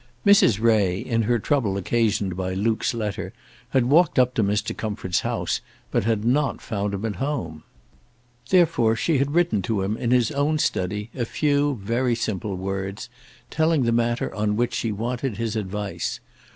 Mrs. Ray, in her trouble occasioned by Luke's letter, had walked up to Mr. Comfort's house, but had not found him at home. Therefore she had written to him, in his own study, a few very simple words, telling the matter on which she wanted his advice.